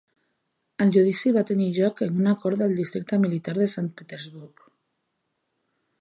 El judici va tenir lloc en una cort de districte militar a Sant Petersburg.